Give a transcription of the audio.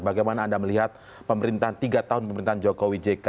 bagaimana anda melihat pemerintahan tiga tahun pemerintahan jokowi jk